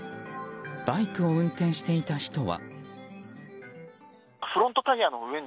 バイクを運転していた人は。